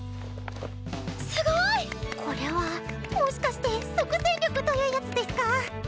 すごい！これはもしかして即戦力というやつデスカ？